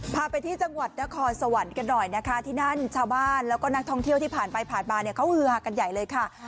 พาไปที่จังหวัดนครสวรรค์กันหน่อยนะคะที่นั่นชาวบ้านแล้วก็นักท่องเที่ยวที่ผ่านไปผ่านมาเนี่ยเขาฮือฮากันใหญ่เลยค่ะ